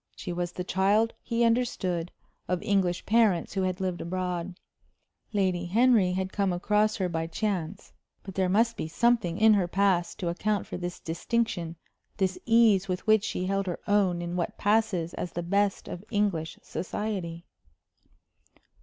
She was the child, he understood, of English parents who had lived abroad; Lady Henry had come across her by chance. But there must be something in her past to account for this distinction, this ease with which she held her own in what passes as the best of English society.